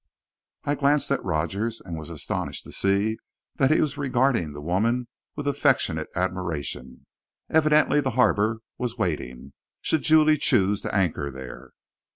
I glanced at Rogers and was astonished to see that he was regarding the woman with affectionate admiration. Evidently the harbour was waiting, should Julie choose to anchor there.